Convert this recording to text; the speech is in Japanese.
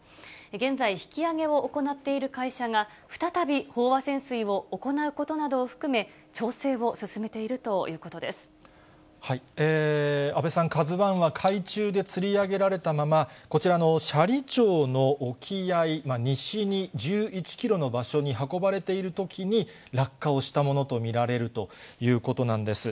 現在、引き揚げを行っている会社が、再び飽和潜水を行うことなどを含め、調整を進めているということ安倍さん、ＫＡＺＵＩは海中でつり上げられたまま、こちらの斜里町の沖合、西に１１キロの場所に運ばれているときに、落下をしたものと見られるということなんです。